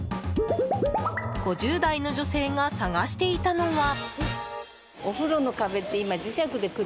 ５０代の女性が探していたのは。